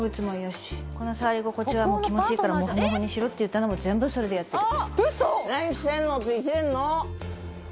この触り心地は気持ちいいからモフモフにしろって言ったのも全部それでやってる。